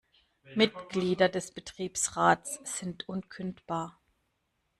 Mitglieder des Betriebsrats sind unkündbar.